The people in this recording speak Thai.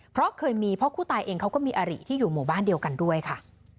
เพราะเคยมีเพราะผู้ตายเองเขาก็มีอาริที่อยู่หมู่บ้านเดียวกันด้วยค่ะ